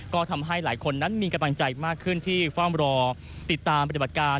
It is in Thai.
ก็ทำให้หลายคนนั้นมีกำลังใจมากขึ้นที่เฝ้ารอติดตามปฏิบัติการ